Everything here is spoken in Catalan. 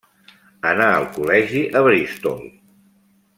Anà al col·legi a Bristol.